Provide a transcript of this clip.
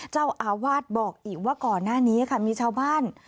เจ้าอาวาสบอกอีกว่าก่อนหน้านี้ค่ะมีชาวบ้าน